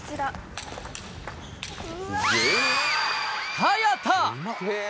早田！